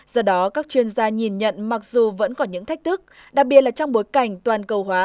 do đó các chuyên gia nhìn nhận mặc dù vẫn còn những thách thức đặc biệt là trong bối cảnh toàn cầu hóa